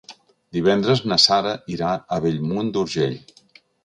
Divendres na Sara irà a Bellmunt d'Urgell.